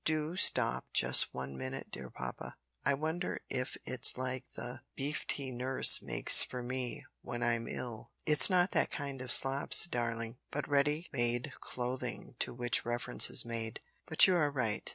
Do stop just one minute, dear papa. I wonder if it's like the beef tea nurse makes for me when I'm ill." "It's not that kind of slops, darling, but ready made clothing to which reference is made. But you are right.